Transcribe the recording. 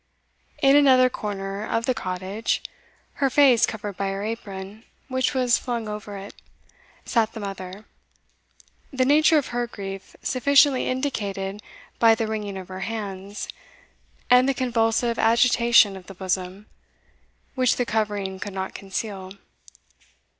In another corner of the cottage, her face covered by her apron, which was flung over it, sat the mother the nature of her grief sufficiently indicated by the wringing of her hands, and the convulsive agitation of the bosom, which the covering could not conceal.